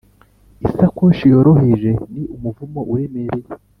isakoshi yoroheje ni umuvumo uremereye.